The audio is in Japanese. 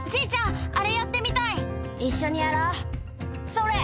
それ。